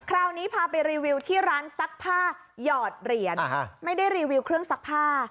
คราวนี้พาไปรีวิวที่ร้านซักผ้าหยอดเหรียญไม่ได้รีวิวเครื่องซักผ้า